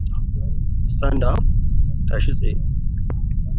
The mayor is Troy Johnson and its administrator is Lorrie Bannerman.